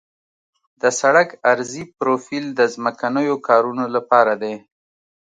د سړک عرضي پروفیل د ځمکنیو کارونو لپاره دی